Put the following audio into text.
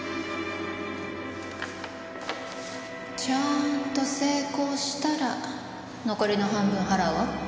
ちゃーんと成功したら残りの半分払うわ。